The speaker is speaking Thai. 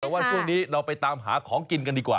วันพรุ่งนี้เราไปตามหาของกินกันดีกว่า